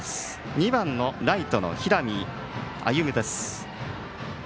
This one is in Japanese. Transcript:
２番のライト、平見歩舞です。